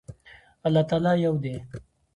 الله تعالی يو ده